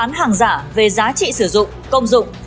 sản xuất hàng giả về giá trị sử dụng công dụng